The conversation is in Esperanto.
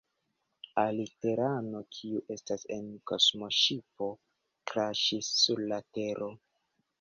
Aliterano, kiu estas en kosmoŝipo, kraŝis sur la Tero